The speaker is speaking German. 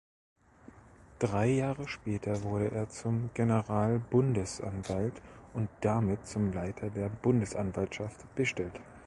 Drei Jahre später wurde er zum Generalbundesanwalt und damit zum Leiter der Bundesanwaltschaft bestellt.